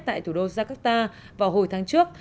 tại thủ đô jakarta vào hồi tháng trước